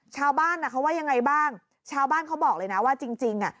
ชาวบ้านอ่ะเขาว่ายังไงบ้างชาวบ้านเขาบอกเลยนะว่าจริงจริงอ่ะ